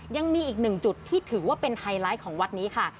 ยังมีอีกหนึ่งจุดที่ถือว่าเป็นไฮไลท์ของวัดนี้ค่ะ